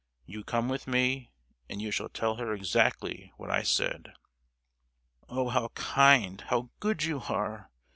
You come with me, and you shall tell her exactly what I said!" "Oh, how kind, how good you are!